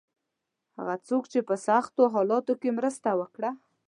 هغه څوک چې په سختو حالاتو کې مرسته وکړه.